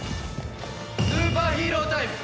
スーパーヒーロータイム。